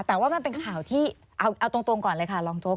แต่ว่ามันเป็นข่าวที่เอาตรงก่อนเลยค่ะรองโจ๊